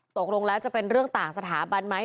ตกลงแล้วจะเป็นเรื่องต่างสถาบันไหม